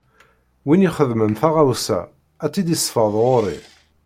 Win ixedmen taɣawsa, ad tt-id-isfeḍ ɣuṛ-i.